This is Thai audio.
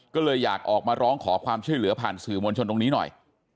ก็เลยอยากออกมาร้องขอความช่วยเหลือผ่านสื่อมวลชนตรงนี้หน่อย